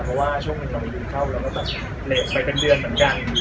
เพราะว่าช่วงนี้นายวงิวเข้าเร็วไปเป็นเดือนเหมือนกัน